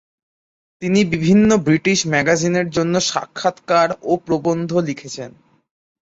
তিনি বিভিন্ন ব্রিটিশ ম্যাগাজিনের জন্য সাক্ষাৎকার ও প্রবন্ধ লিখেছেন।